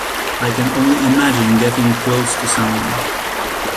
I can only imagine getting close to someone.